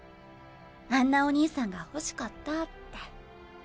あんなお兄さんが欲しかったって。